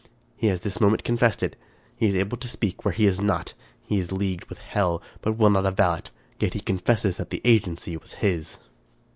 He has this moment confessed it. He is able to speak where he is not. He is leagued with hell, but will not avow it; yet he con fesses that the agency was his."